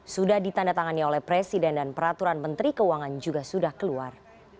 sudah ditandatangani oleh presiden dan peraturan menteri keuangan juga sudah keluar